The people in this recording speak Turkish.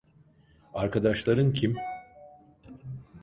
Arkadaşların kim?